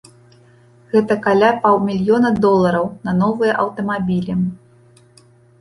Гэта каля паўмільёна долараў на новыя аўтамабілі.